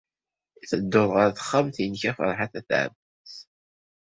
I tedduḍ ɣer texxamt-nnek a Ferḥat n At Ɛebbas?